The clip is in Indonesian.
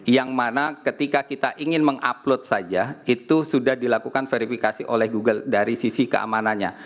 yang mana ketika kita ingin mengupload saja itu sudah dilakukan verifikasi oleh google dari sisi keamanannya